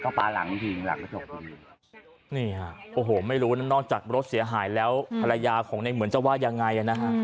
โอ้โหไม่รู้นั้นนอกจากรถเสียหายแล้วภรรยาของในเหมือนจะว่ายังไงนะครับ